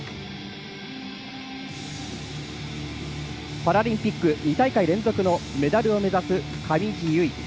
パラリンピック２大会連続メダルを目指す上地結衣。